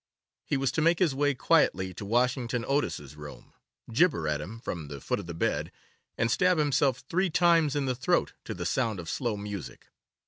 He was to make his way quietly to Washington Otis's room, gibber at him from the foot of the bed, and stab himself three times in the throat to the sound of slow music.